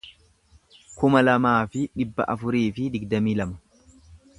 kuma lamaa fi dhibba afurii fi digdamii lama